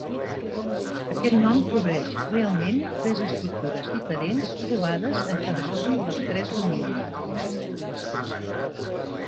Aquest nom cobreix realment tres estructures diferents trobades en cadascun dels tres dominis.